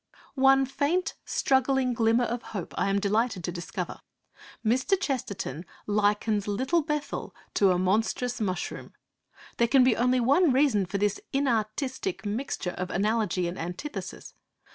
One faint, struggling glimmer of hope I am delighted to discover. Mr. Chesterton likens Little Bethel to a monstrous mushroom. There can be only one reason for this inartistic mixture of analogy and antithesis.